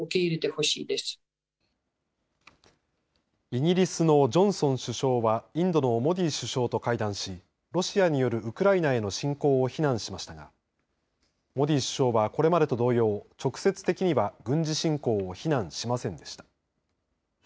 イギリスのジョンソン首相はインドのモディ首相と会談しロシアによるウクライナへの侵攻を非難しましたがモディ首相は、これまでと同様直接的には軍事侵攻を非難しませんでした。